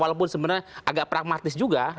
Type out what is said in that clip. walaupun sebenarnya agak pragmatis juga